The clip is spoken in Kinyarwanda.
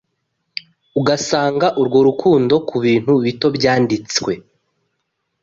ugasanga Urwo rukundo kubintu bito byanditswe